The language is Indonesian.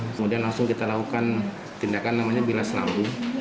kemudian langsung kita lakukan tindakan namanya bilas lambung